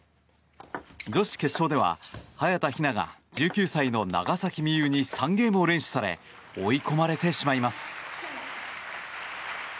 女子決勝では早田ひなが１９歳の長崎美柚に３ゲームを先取され追い込まれてしまいます。